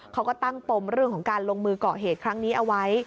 เขาก็ตั้งปมเรื่องของการลงมือก่อเหตุครั้งนี้เอาไว้